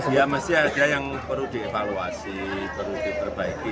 ya masih ada yang perlu dievaluasi perlu diperbaiki